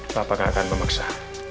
papa gak akan memaksa